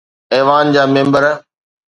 ايوان جا ميمبر